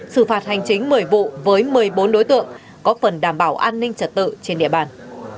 xử phạt hành chính một mươi vụ với một mươi bốn đối tượng có phần đảm bảo an ninh trật tự trên địa bàn